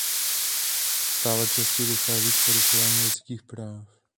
Stále častěji dochází k porušování lidských práv.